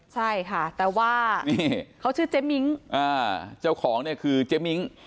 ใช่ค่ะแต่ว่านี่เขาชื่อเจ๊มิ้งเจ้าของเนี่ยคือเจ๊มิ้ง